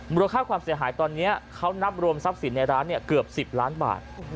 มูลค่าความเสียหายตอนนี้เขานับรวมทรัพย์สินในร้านเกือบ๑๐ล้านบาท